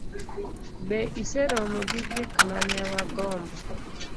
Be iseromo gi gik ma ne wagombo?